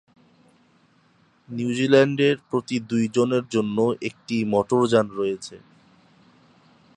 নিউজিল্যান্ডের প্রতি দুই জনের জন্য একটি মোটরযান রয়েছে।